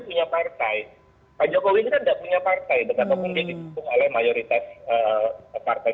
punya partai pak jokowi tidak punya partai dengan memungkinkan mayoritas partai